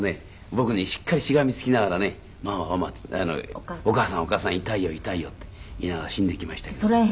僕にしっかりしがみつきながらね「お母さんお母さん痛いよ痛いよ」って言いながら死んでいきましたけど。